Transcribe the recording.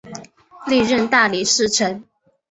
历任大理寺丞。